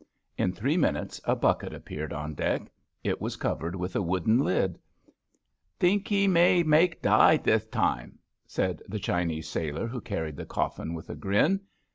In three minutes a bucket appeared on deck. It was covered with a wooden lid. Think he have make die this time," said the Chinese sailor who carried the coflSn, with a grin.